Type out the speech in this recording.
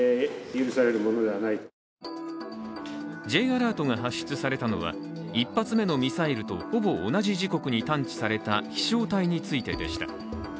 Ｊアラートが発出されたのは１発目のミサイルとほぼ同じ時刻に探知された飛しょう体についてでした。